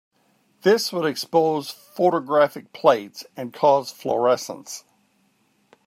This would expose photographic plates and cause fluorescence.